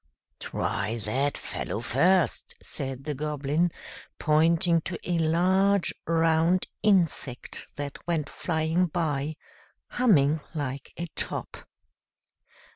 "Try that fellow first," said the Goblin, pointing to a large, round insect that went flying by, humming like a top.